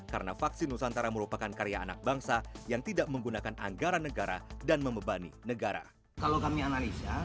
karena vaksin nusantara merupakan karya anak bangsa yang tidak menggunakan anggaran negara